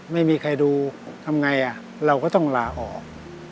ไม่มีใครดูทำไงเราก็ต้องลาออก